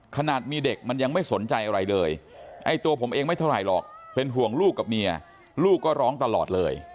ขนาดมีเด็กมันยังไม่สนใจอะไรเลยไอ้ตัวผมเองไม่เท่าไหร่หรอกเป็นห่วงลูกกับเมียลูกก็ร้องตลอดเลย